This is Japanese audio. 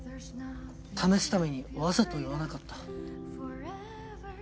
試すためにわざと言わなかった。